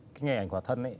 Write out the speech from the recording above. cái nghề ảnh khỏa thân ấy